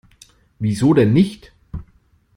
Wieso denn nicht?